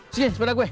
sini sepeda gue